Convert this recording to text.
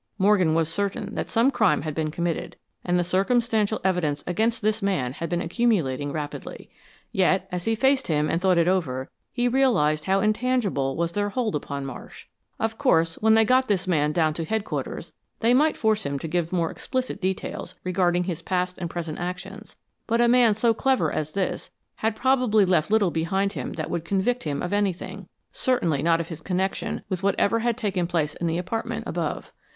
Morgan was certain that some crime had been committed, and the circumstantial evidence against this man had been accumulating rapidly. Yet, as he faced him and thought it over, he realized how intangible was their hold upon Marsh. Of course, when they got this man down to Headquarters they might force him to give more explicit details regarding his past and present actions, but a man so clever as this had probably left little behind him that would convict him of anything; certainly not of his connection with whatever had taken place in the apartment above.